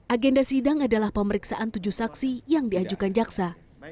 agenda sidang adalah pemeriksaan tujuh saksi yang diajukan jaksa